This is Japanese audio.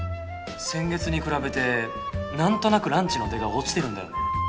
先月に比べてなんとなくランチの出が落ちてるんだよね。